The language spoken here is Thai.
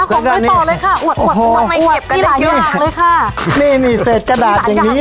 อ้าวผมไม่ตอเลยคะอวดทำไมเก็บกันแบบนี้